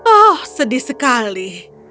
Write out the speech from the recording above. oh sedih sekali